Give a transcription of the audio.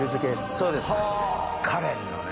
そうです華のね。